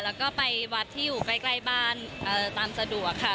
แล้วก็ไปวัดที่อยู่ใกล้บ้านตามสะดวกค่ะ